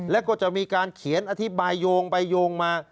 แล้วก็จะมีการเขียนอธิบายโยงไปโยงมา